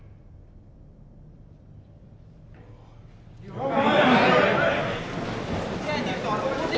了解。